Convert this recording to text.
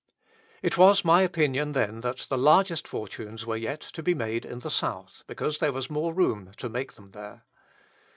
It was my opinion then that the largest fortunes were yet to be made in the South, because there was more room to make them there.